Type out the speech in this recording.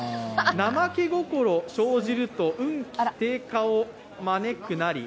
怠け心生じると運気低下を招くなり。